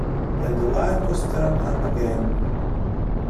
Then the light was turned up again.